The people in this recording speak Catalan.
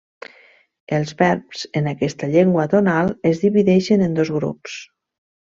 Els verbs en aquesta llengua tonal es divideixen en dos grups.